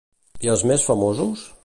I els més famosos?